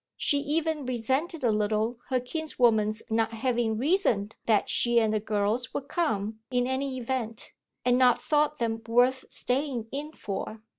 She even resented a little her kinswoman's not having reasoned that she and the girls would come in any event, and not thought them worth staying in for.